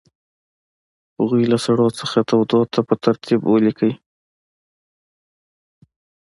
هغوی له سړو څخه تودو ته په ترتیب ولیکئ.